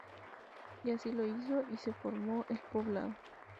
Y así lo hizo y se formó el poblado.